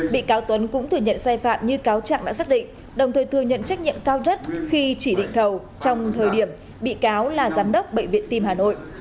bị cáo tuấn cũng thừa nhận sai phạm như cáo trạng đã xác định đồng thời thừa nhận trách nhiệm cao nhất khi chỉ định thầu trong thời điểm bị cáo là giám đốc bệnh viện tim hà nội